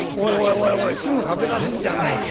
おいおいすぐ駆け出すんじゃないよ。